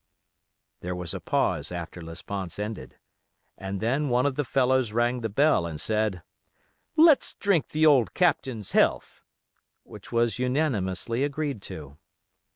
There was a pause after Lesponts ended, and then one of the fellows rang the bell and said, "Let's drink the old Captain's health," which was unanimously agreed to.